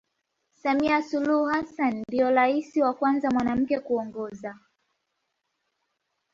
Samia Suluhu Hassanni Ndio rais wa Kwanza mwanamke kuongoza